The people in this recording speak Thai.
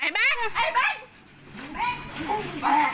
ใบนำที่๘๕๐๐เป็น